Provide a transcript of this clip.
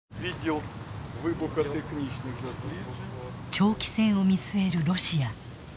長期戦を見据えるロシア。